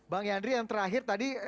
bang yandri yang terakhir tadi